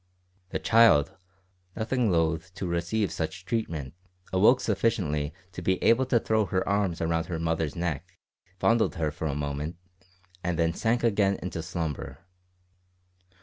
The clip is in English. The child, nothing loath to receive such treatment, awoke sufficiently to be able to throw her arms round her mother's neck, fondled her for a moment, and then sank again into slumber.